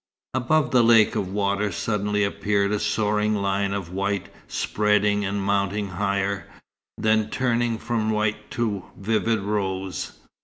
Above the lake of water suddenly appeared a soaring line of white, spreading and mounting higher, then turning from white to vivid rose.